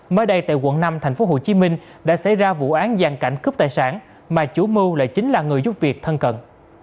mới đây tại quận năm tp hcm đã xảy ra vụ án gian cảnh cướp tài sản mà chủ mưu lại chính là người giúp việc thân cận